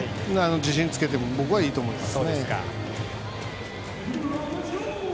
自信をつけてもいいと思います。